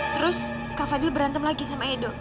terus kak fadil berantem lagi sama edo